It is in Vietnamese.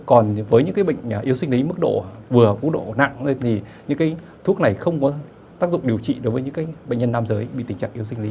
còn với những cái bệnh yếu sinh lý mức độ vừa mức độ nặng thì những cái thuốc này không có tác dụng điều trị đối với những cái bệnh nhân nam giới bị tình trạng yếu sinh lý